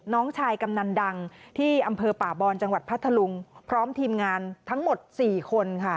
น้องชายกำนันดังที่อำเภอป่าบอนจังหวัดพัทธลุงพร้อมทีมงานทั้งหมด๔คนค่ะ